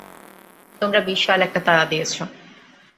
তোমরা বিশাল একটা তালা দিয়েছ।